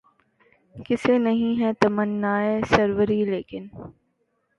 کسے نہیں ہے تمنائے سروری ، لیکن